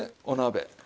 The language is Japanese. お鍋